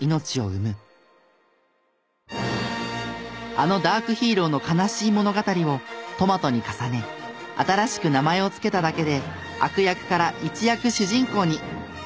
あのダークヒーローの悲しい物語をトマトに重ね新しく名前を付けただけで悪役から一躍主人公に！